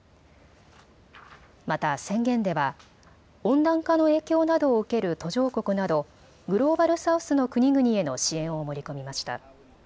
また宣言では温暖化の影響などを受ける途上国などグローバル・サウスの国々への支援を盛り込みました。